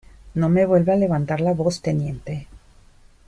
no me vuelva a levantar la voz, teniente.